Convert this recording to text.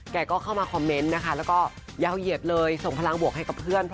เขาก็เข้ามาคอมเม้นต์แล้วก็เยาเหยียดเลยส่งพลังบวกให้กับเพื่อนพร้อม